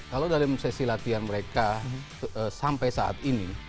kalau dalam sesi latihan mereka sampai saat ini